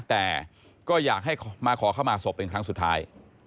แต่ก็อยากให้มาขอเข้ามาศพเป็นครั้งสุดท้าย